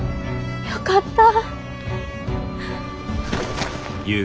よかった。